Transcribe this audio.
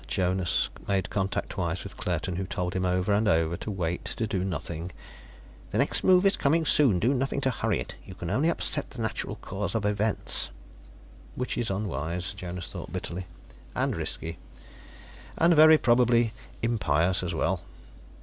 Jonas made contact twice with Claerten, who told him over and over to wait, to do nothing: "The next move is coming soon; do nothing to hurry it. You can only upset the natural course of events." "Which is unwise," Jonas thought bitterly, "and risky, and very probably impious as well."